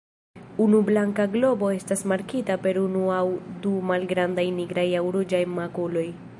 Unu blanka globo estas markita per unu aŭ du malgrandaj nigraj aŭ ruĝaj makuloj.